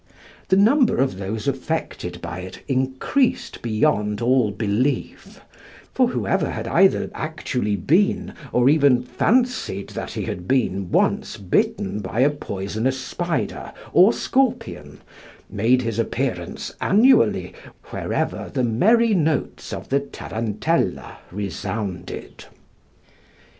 The number of those affected by it increased beyond all belief, for whoever had either actually been, or even fancied that he had been, once bitten by a poisonous spider or scorpion, made his appearance annually wherever the merry notes of the tarantella resounded.